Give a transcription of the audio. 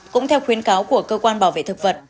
cũng theo khuyến cáo của cơ quan bảo vệ thực vật